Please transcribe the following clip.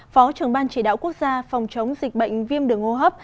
phó trưởng ban chỉ đạo quốc gia phòng chống dịch bệnh viêm đường hô hấp